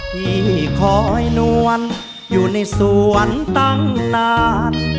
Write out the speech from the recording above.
ที่คอยนวลอยู่ในสวนตั้งนาน